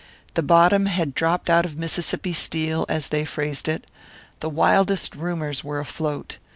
The bottom had dropped out of Mississippi Steel, as they phrased it. The wildest rumours were afloat.